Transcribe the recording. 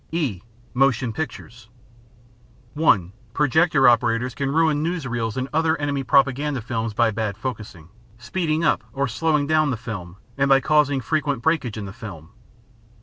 (e) Motion Pictures (1) Projector operators can ruin newsreels and other enemy propaganda films by bad focusing, speeding up or slowing down the film and by causing frequent breakage in the film.